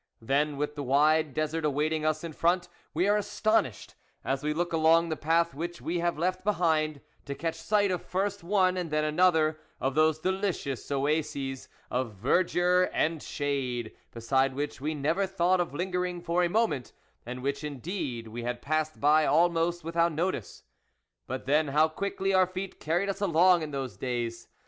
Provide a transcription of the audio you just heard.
Then with the wide desert awaiting us in front, we are astonished, as we look along the path which we have left behind, to catch sight of first one and then another of those delicious oases of verdure and shade, beside which we never thought of lingering for a moment, and which, in deed we had passed by almost without notice. But, then, how quickly our feet carried us along in those days